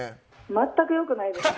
全くよくないですね。